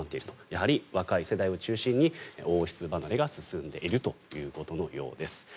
やはり若い世代を中心に王室離れが進んでいるようです。